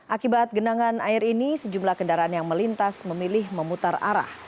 akibat genangan air ini sejumlah kendaraan yang melintas memilih memutar arah